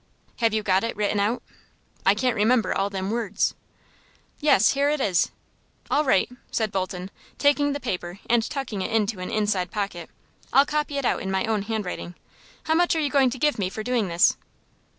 "Have you got it written out? I can't remember all them words." "Yes; here it is." "All right," said Bolton, taking the paper and tucking it into an inside pocket. "I'll copy it out in my own handwriting. How much are you going to give me for doing this?"